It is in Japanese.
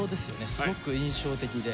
すごく印象的で。